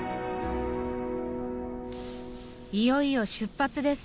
いよいよ出発です。